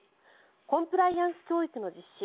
コンプライアンス教育の実施